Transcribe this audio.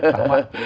phải không ạ